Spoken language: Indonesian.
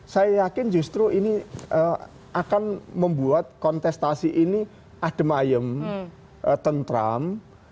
saya yakin justru ini akan membuat kontestasi ini ademayem tentram